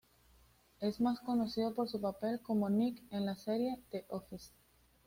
Es más conocido por su papel como Nick en la serie "The Office".